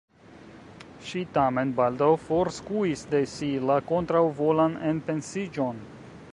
Ŝi tamen baldaŭ forskuis de si la kontraŭvolan enpensiĝon.